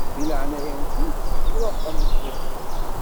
Di leɛnaya-nkent ṛuḥemt!